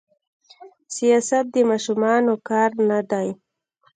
سياست د ماشومانو کار نه دي.